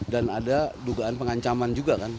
dan ada dugaan pengancaman juga kan